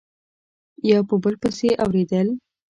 یو په بل پسي اوریدل